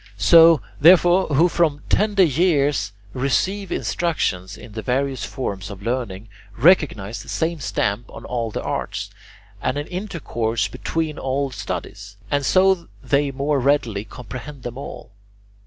Those, therefore, who from tender years receive instruction in the various forms of learning, recognize the same stamp on all the arts, and an intercourse between all studies, and so they more readily comprehend them all.